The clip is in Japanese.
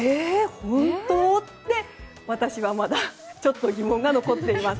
本当？って私はまだちょっと疑問が残っています。